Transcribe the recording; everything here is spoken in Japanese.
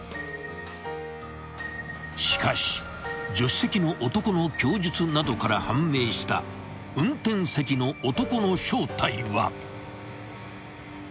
［しかし助手席の男の供述などから判明した運転席の男の正体は］